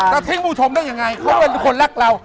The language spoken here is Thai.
ทิ้งผู้ชมได้ยังไงเขาเป็นคนรักเรา